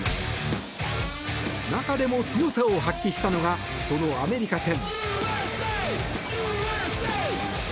中でも強さを発揮したのがそのアメリカ戦。